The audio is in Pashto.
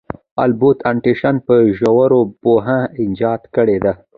البرت انیشټین په ژوره پوهه ایجاد کړی دی.